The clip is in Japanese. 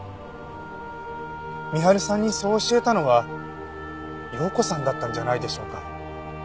深春さんにそう教えたのは葉子さんだったんじゃないでしょうか？